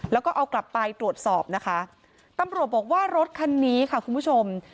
แล้วก็เอากลับไปตรวจสอบนะคะตำรวจบอกว่ารถคันนี้ค่ะคุณผู้ชม